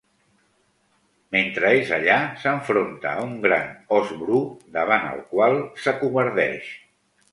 Mentre és allà, s'enfronta a un gran ós bru, davant el qual s'acovardeix.